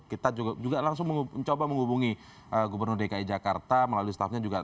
kita juga langsung mencoba menghubungi gubernur dki jakarta melalui stafnya juga